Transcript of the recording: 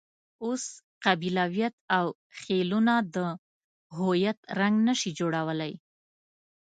اوس قبیلویت او خېلونه د هویت رنګ نه شي جوړولای.